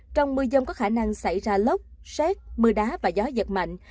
trong mưa dông có khả năng xảy ra lốc xét mưa đá và gió giật mạnh